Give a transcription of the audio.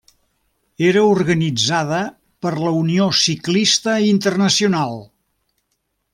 Era organitzada per la Unió Ciclista Internacional.